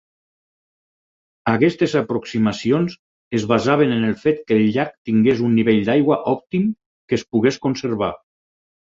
Aquestes aproximacions es basaven en el fet que el llac tingués un nivell d'aigua òptim que es pogués conservar.